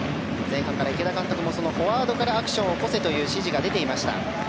前半から池田監督もフォワードからアクションを起こせという指示が出ていました。